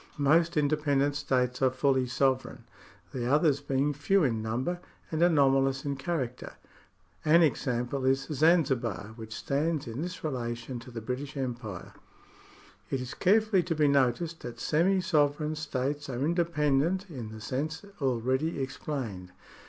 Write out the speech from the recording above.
Most inde pendent states are fully sovereign, the others being few in number and anomalous in character. An example is Zan zibar, which stands in this relation to the British Empire. It is carefully to be noticed that semi sovereign states are independent, in the sense already explained.